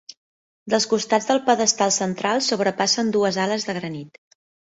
Dels costats del pedestal central sobrepassen dues ales de granit.